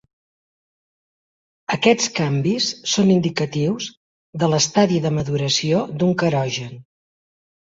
Aquests canvis són indicatius de l'estadi de maduració d'un querogen.